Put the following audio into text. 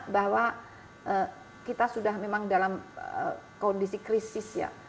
bahwa kita sudah memang dalam kondisi krisis ya